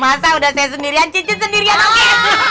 masa udah saya sendirian cincin sendirian lagi